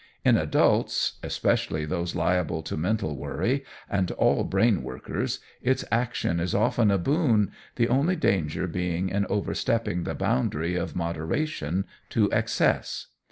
In adults, especially those liable to mental worry, and all brain workers, its action is often a boon, the only danger being in overstepping the boundary of moderation to excess.